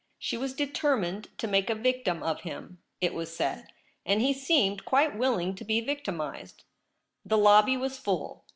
She was determirxed to make a victim of him, it was said, and he seemed quite willing to be victimized. The lobby was full.